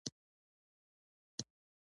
د کلورین اتوم اوه الکترونونه لري.